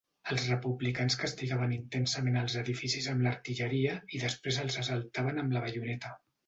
Els republicans castigaven intensament els edificis amb l'artilleria i després els assaltaven amb la baioneta.